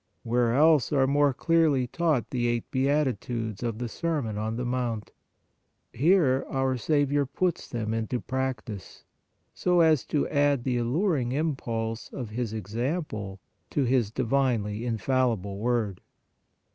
Where else are more clearly taught the eight beati tudes of the sermon on the mount? Here our Saviour puts them into practice, so as to add the alluring impulse of His example to His divinely infallible word.